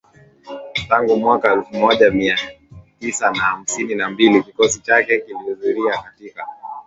Tangu mwaka elfu moja Mia Tisa na hamsini na mbili kikosi chake kilihudhuria katika